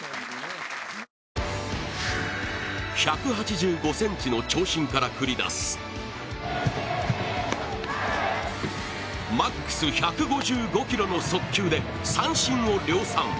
１８５ｃｍの長身から繰り出すマックス１５５キロの速球で三振を量産。